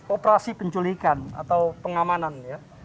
operasi penculikan atau pengamanan ya